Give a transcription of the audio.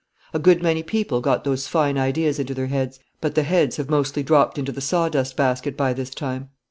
A good many people got those fine ideas into their heads, but the heads have mostly dropped into the sawdust basket by this time.